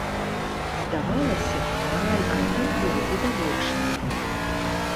Здавалася б мараль артыкулу відавочна.